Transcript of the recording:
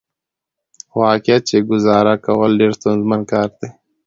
واقعيت چې ګزاره کول ډېره ستونزمن کار دى .